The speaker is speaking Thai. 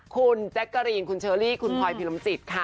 คุณแจ๊กกะรีนคุณเชอรี่คุณพลอยพิรมจิตค่ะ